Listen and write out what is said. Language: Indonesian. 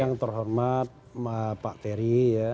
yang terhormat pak terry ya